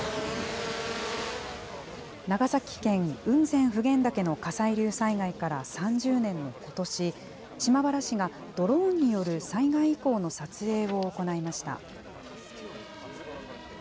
長崎県、雲仙・普賢岳の火砕流災害から３０年のことし、島原市がドローンによる災害遺構の撮影を行いました。